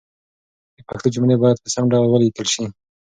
د پښتو جملې باید په سم ډول ولیکل شي.